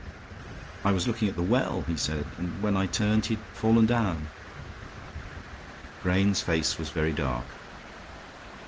"I was looking at the well," he said, "and when I turned he had fallen down." Grayne's face was very dark.